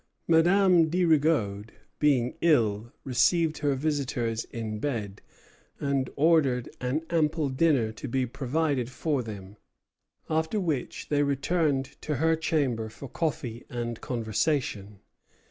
Madame de Rigaud, being ill, received her visitors in bed, and ordered an ample dinner to be provided for them; after which they returned to her chamber for coffee and conversation.